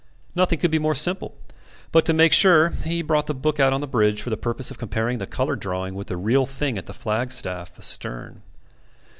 Nothing could be more simple; but to make sure he brought the book out on the bridge for the purpose of comparing the coloured drawing with the real thing at the flagstaff astern.